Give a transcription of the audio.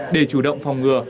để chủ động phòng ngừa